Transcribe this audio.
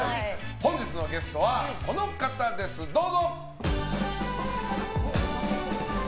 本日のゲストはこの方、どうぞ。